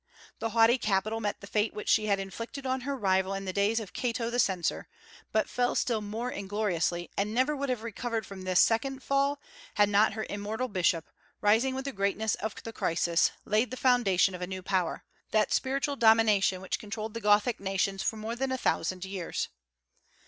The haughty capital met the fate which she had inflicted on her rival in the days of Cato the censor, but fell still more ingloriously, and never would have recovered from this second fall had not her immortal bishop, rising with the greatness of the crisis, laid the foundation of a new power, that spiritual domination which controlled the Gothic nations for more than a thousand years.